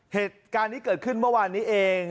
เหตุการณ์นี้เกิดขึ้นเมื่อวานนี้เอง